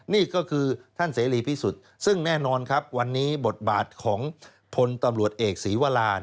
นี่ก็คือท่านเสรีพิสุทธิ์ซึ่งแน่นอนครับวันนี้บทบาทของพลตำรวจเอกศรีวรา